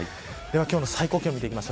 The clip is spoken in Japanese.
今日の最高気温です。